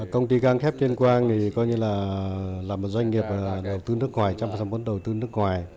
công ty căng khép tuyên quang là một doanh nghiệp đầu tư nước ngoài trăm phần số đầu tư nước ngoài